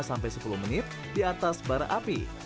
sampai sepuluh menit di atas bara api